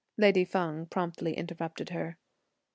Lady Feng promptly interrupted her.